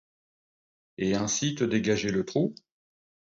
… et ainsi te dégager le trou ?